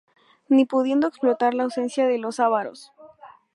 Ni pudiendo explotar la ausencia de los Avaros.